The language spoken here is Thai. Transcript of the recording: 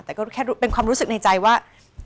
แต่ก็แค่เป็นความรู้สึกในใจว่า